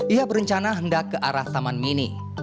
ia berencana hendak ke arah taman mini